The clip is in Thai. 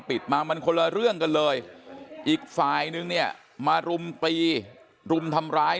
ปิดมามันคนละเรื่องกันเลยอีกฝ่ายนึงเนี่ยมารุมตีรุมทำร้าย